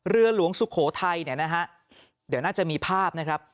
เรือหลวงสุโขทัยเนี่ยนะฮะเดี๋ยวน่าจะมีภาพนะครับ